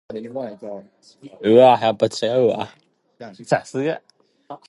The following links are among the most relevant to this article.